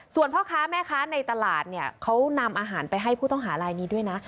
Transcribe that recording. ส่วนพ่อค้าแม่ค้าในตลาดเนี่ยเขานำอาหารไปให้ผู้ต้องหาลายนี้ด้วยนะ